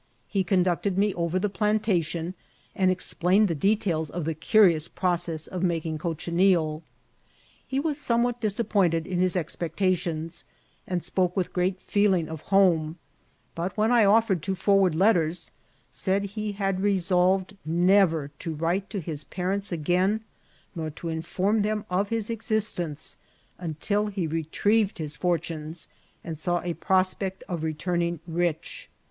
He oonducted me oyer the plantation, and explained the details of the outions process of making cochineal. He was somewhat disappointed in his expectations, and spoke with great feeling of home ; but when I offered to forwaid letters, said he had lescdyed never to write to his parents again, nor to inform them of his exsaCenoe until he retrieyed his fortunes, and saw a prospect of re* turning rich.